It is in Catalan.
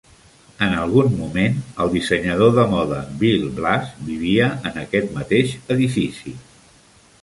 En algun moment, el dissenyador de moda Bill Blass vivia en aquest mateix edifici.